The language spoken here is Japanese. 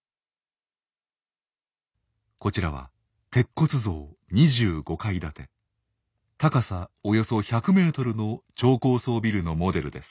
こちらは鉄骨造２５階建て高さおよそ１００ｍの超高層ビルのモデルです。